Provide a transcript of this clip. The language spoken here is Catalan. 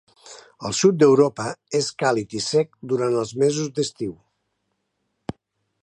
El sud d'Europa és càlid i sec durant els mesos d'estiu.